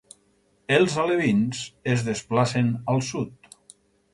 Els alevins es desplacen al sud.